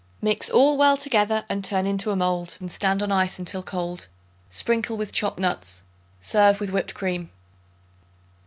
Mix all well together and turn into a mold and stand on ice until cold. Sprinkle with chopped nuts. Serve with whipped cream.